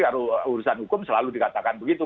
kalau urusan hukum selalu dikatakan begitu